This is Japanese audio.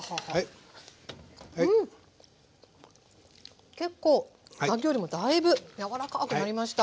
うん結構さっきよりもだいぶ柔らかくなりました。